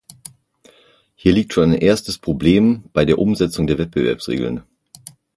Hier liegt schon ein erstes Problem bei der Umsetzung der Wettbewerbsregeln.